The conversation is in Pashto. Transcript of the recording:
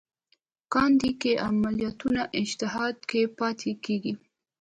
ګانده کې عالمانو اجتهاد کې پاتې کېږي.